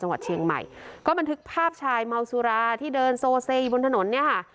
จังหวัดเชียงใหม่ก็บันทึกภาพชายเมาสุราที่เดินโซเซอยู่บนถนนเนี่ยค่ะ